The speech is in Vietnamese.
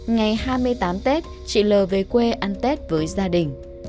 ngày hai mươi tám tết chị l về quê ăn tết với gia đình